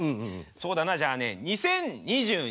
そうだなじゃあね２０２２年。